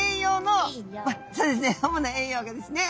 主な栄養がですね